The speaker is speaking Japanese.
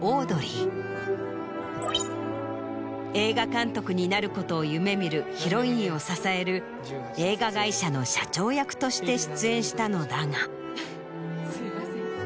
映画監督になることを夢見るヒロインを支える映画会社の社長役として出演したのだが。